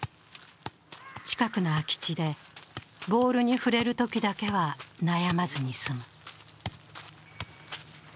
近くの空き地でボールに触れるときだけは、悩まずに済む。